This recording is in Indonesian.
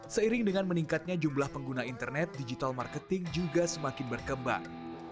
seiring dengan meningkatnya jumlah pengguna internet digital marketing juga semakin berkembang